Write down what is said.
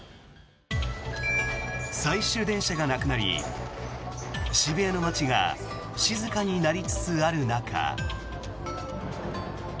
最終電車がなくなり、渋谷の街が静かになりつつある中。